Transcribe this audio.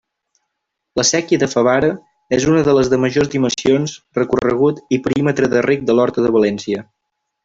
La séquia de Favara és una de les de majors dimensions, recorregut i perímetre de reg de l'horta de València.